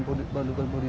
bukan hanya yang lain